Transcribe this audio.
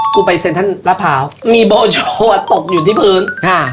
กูไปเซ็นทร์ท่านราพาวมีโบโชว์อะตกอยู่ที่พื้นอ่า